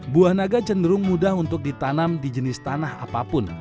buah naga cenderung mudah untuk ditanam di jenis tanah apapun